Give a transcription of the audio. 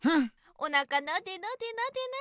おなかなでなでなで。